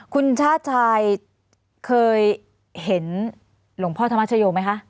คุณชาติชายเคยเห็นหลวงพ่อธรรมชโยไหมคะ